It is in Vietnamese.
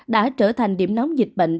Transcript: đã trở thành điểm nóng dịch bệnh